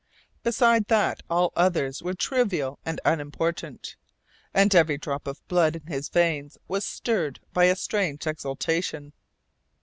Beside that all others were trivial and unimportant, and every drop of blood in his veins was stirred by a strange exultation.